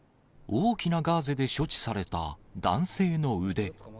大きなガーゼで処置された男性の腕。